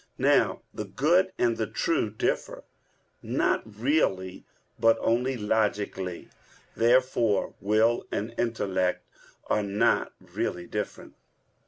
Now the good and the true differ, not really but only logically [*Cf. Q. 16, A. 4]. Therefore will and intellect are not really different.